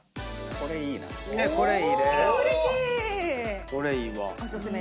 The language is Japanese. これいいわ。